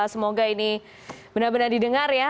semoga ini benar benar didengar ya